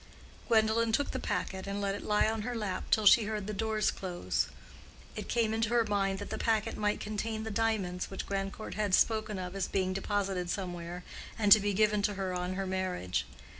Gwendolen took the packet and let it lie on her lap till she heard the doors close. It came into her mind that the packet might contain the diamonds which Grandcourt had spoken of as being deposited somewhere and to be given to her on her marriage.